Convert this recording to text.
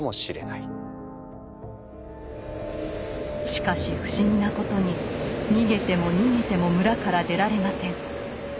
しかし不思議なことに逃げても逃げても村から出られません。